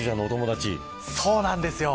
そうなんですよ